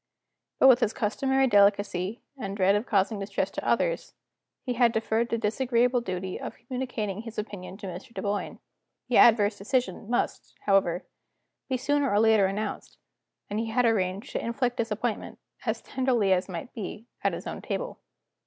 But, with his customary delicacy, and dread of causing distress to others, he had deferred the disagreeable duty of communicating his opinion to Mr. Dunboyne. The adverse decision must, however, be sooner or later announced; and he had arranged to inflict disappointment, as tenderly as might be, at his own table.